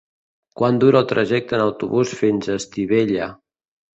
Quant dura el trajecte en autobús fins a Estivella?